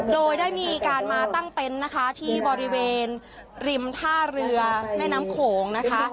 โดยได้มีการมาตั้งเต็นต์นะคะที่บริเวณริมท่าเรือแม่น้ำโขงนะคะ